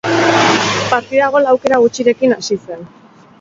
Partida gol aukera gutxirekin hasi zen.